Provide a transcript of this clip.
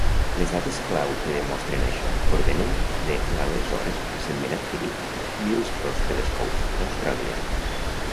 Les dades clau que demostren això provenen de l'aleshores recentment adquirit Mills Cross Telescope d'Austràlia.